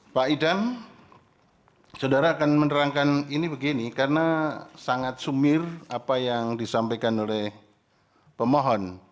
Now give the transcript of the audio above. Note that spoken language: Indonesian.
pak idam saudara akan menerangkan ini begini karena sangat sumir apa yang disampaikan oleh pemohon